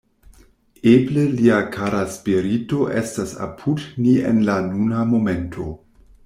Eble lia kara spirito estas apud ni en la nuna momento.